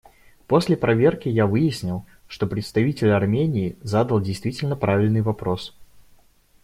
После проверки я выяснил, что представитель Армении задал действительно правильный вопрос.